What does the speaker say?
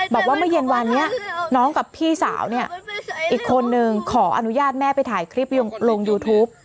บอกว่าเมื่อเย็นวานนี้น้องกับพี่สาวเนี่ยอีกคนนึงขออนุญาตแม่ไปถ่ายคลิปลงยูทูป